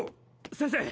先生！